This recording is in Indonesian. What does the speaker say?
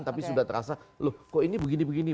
tapi sudah terasa loh kok ini begini begini